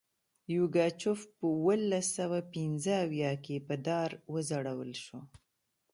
یوګاچف په اوولس سوه پنځه اویا کې په دار وځړول شو.